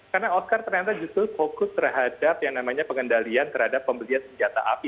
karena oscar ternyata justru fokus terhadap yang namanya pengendalian terhadap pembelian senjata api